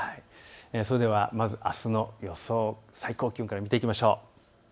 まずあすの予想、最高気温から見ていきましょう。